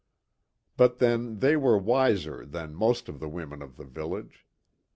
But then they were wiser than most of the women of the village.